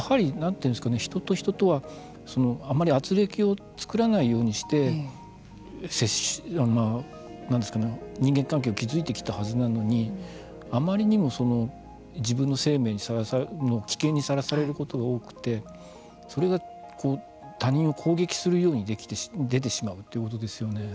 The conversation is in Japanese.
やはり、人と人とはあんまりあつれきを作らないようにして人間関係を築いてきたはずなのにあまりにも自分の生命が危険にさらされることが多くてそれが他人を攻撃するように出てしまうということですよね。